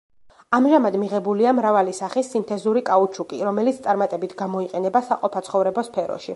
ამჟამად მიღებულია მრავალი სახის სინთეზური კაუჩუკი, რომელიც წარმატებით გამოიყენება საყოფაცხოვრებო სფეროში.